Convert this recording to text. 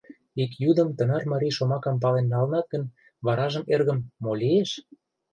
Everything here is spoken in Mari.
— Ик йӱдым тынар марий шомакым пален налынат гын, варажым, эргым, мо лиеш?